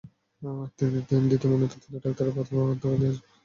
দ্বিতীয় ময়নাতদন্তে ডাক্তাররা বলতে বাধ্য হয়েছেন মৃত্যুর আগে যৌন সংসর্গ হয়েছে।